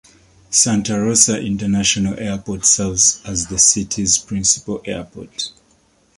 Santa Rosa International Airport serves as the city's principal airport.